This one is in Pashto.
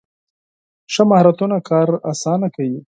ښه مهارتونه کار اسانه کوي.